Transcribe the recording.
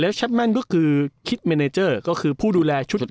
แชปแม่นก็คือคิดเมเนเจอร์ก็คือผู้ดูแลชุด